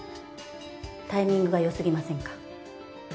タイミングが良すぎませんか？